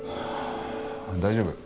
大丈夫。